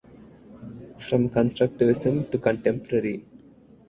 From constructivism to contemporary.